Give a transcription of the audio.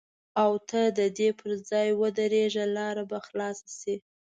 او ته د دې پر ځای ودرېږه لاره به خلاصه شي.